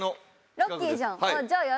ラッキーじゃん。